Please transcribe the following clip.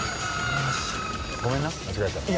ごめんな間違えたら。